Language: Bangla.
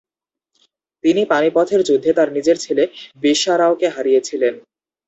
তিনি পানিপথের যুদ্ধে তার নিজের ছেলে বিশ্বারাওকে হারিয়েছিলেন।